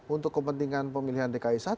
untuk kepentingan pemilihan dki satu